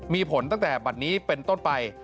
มีผลตั้งแต่บัตรนี้เป็นต้นไป